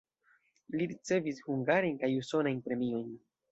Li ricevis hungarajn kaj usonajn premiojn.